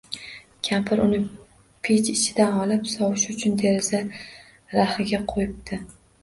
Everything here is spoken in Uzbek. Kampir uni pech ichidan olib, sovishi uchun deraza raxiga qo’yibdi